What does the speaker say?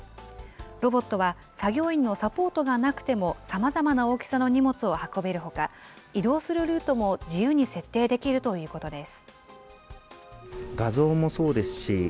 ロボットは、作業員のサポートがなくても、さまざまな大きさの荷物を運べるほか、移動するルートも自由に設定できるということです。